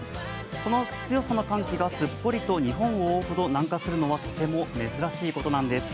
この強さの寒気がすっぽりと日本を覆うほど南下するのはとても珍しいことなんてす。